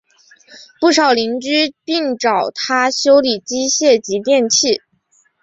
不少邻居并找他修理机械及电器。